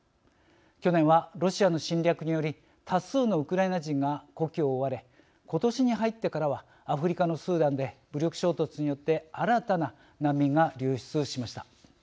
去年はロシアの侵略により多数のウクライナ人が故郷を追われ今年に入ってからはアフリカのスーダンで武力衝突によって新たな難民が流出しました。